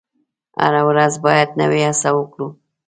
هره ورځ باید نوې هڅه وکړو.